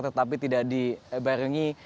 tetapi tidak dibarengi